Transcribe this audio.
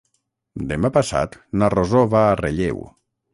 Demà passat na Rosó va a Relleu.